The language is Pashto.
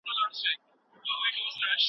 ساده بیان د پیغام په رسولو کي مرسته کوي.